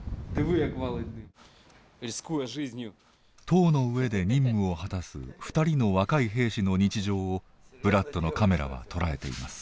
塔の上で任務を果たす２人の若い兵士の日常をブラッドのカメラは捉えています。